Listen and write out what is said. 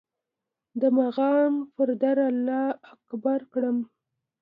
د مغان پر در الله اکبر کړم